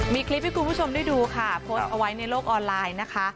มีคลิปให้คุณผู้ชมได้ดูค่ะโพสต์เอาไว้ในโลกออนไลน์นะคะ